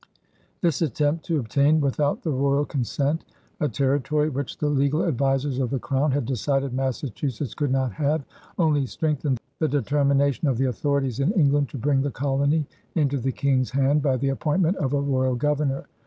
This attempt to obtain, without the royal consent, a territory which the legal advisers of the Crown had decided Massachusetts could not have, only strengthened the determination of the authorities in England to bring the colony into the King's hand by the appointment of a royal governor.